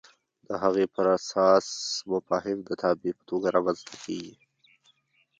د هغې پر اساس مفاهیم د تابع په توګه رامنځته کېږي.